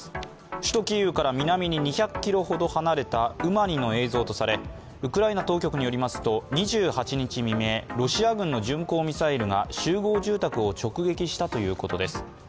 首都キーウから南に２００ｋｍほど離れたウマニの映像とされウクライナ当局によりますと、２８日未明、ロシア軍の巡航ミサイルが集合住宅を直撃したということです。